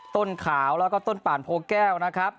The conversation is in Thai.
ต้นขาวแล้วก็ต้นป่านโพแก้วนะครับ